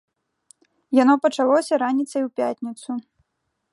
Яно пачалося раніцай у пятніцу.